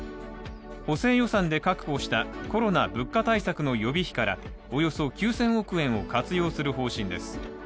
補正予算で確保したコロナ・物価対策の予備費からおよそ９０００億円を活用する方針です。